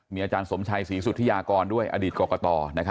อาจารย์สมชัยศรีสุธิยากรด้วยอดีตกรกต